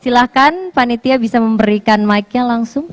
silahkan pak nitya bisa memberikan mic nya langsung